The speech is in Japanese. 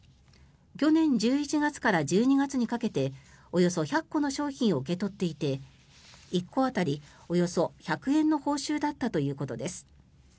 去年１１月から１２月にかけておよそ１００個の商品を受け取っていて１個当たりおよそ１００円の報酬だったということです。